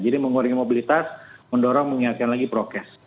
jadi mengurangi mobilitas mendorong mengingatkan lagi prokes